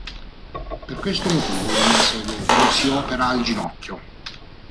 Per questo motivo il mese dopo si opera al ginocchio.